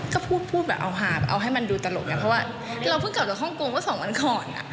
ก็พูดพูดแบบเอาหาเอาให้มันดูตลกไงเพราะว่าเราเพิ่งกลับจากฮ่องกงเมื่อสองวันก่อน